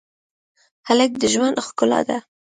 هلک د ژوند ښکلا ده.